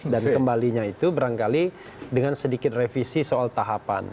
dan kembalinya itu berangkali dengan sedikit revisi soal tahapan